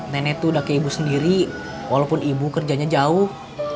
nenek itu udah kayak ibu sendiri walaupun ibu kerjanya jauh